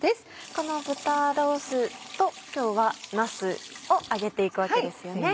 この豚ロースと今日はなすを揚げていくわけですよね。